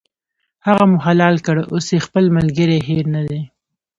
هغه مو حلال کړ، اوس یې خپل ملګری هېر نه دی.